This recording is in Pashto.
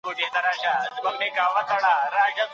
رحمان بابا د مجنون د عشق کيسې اوریدلې وې.